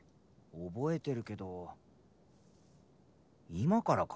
覚えてるけど今からか？